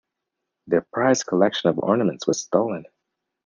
Their prized collection of ornaments was stolen.